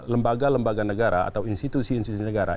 lembaga lembaga negara atau institusi institusi negara